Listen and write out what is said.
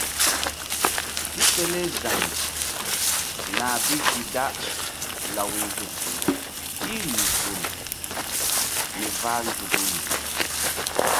Tipele za̧y nah bi gi da law nzuk í rih vul mi vah nzukri.